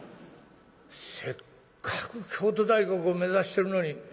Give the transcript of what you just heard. せっかく京都大学を目指してるのに。